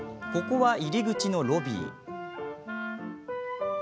ここは、入り口のロビー。